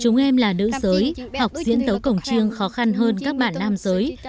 chúng em là nữ giới học diễn tấu cổng trương khó khăn hơn các bạn nam giới